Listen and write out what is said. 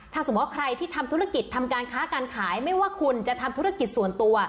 ถ้าสมมุติว่าใครที่ทำธุรกิจทำการค้าการขายไม่ว่าคุณจะทำธุรกิจส่วนตัว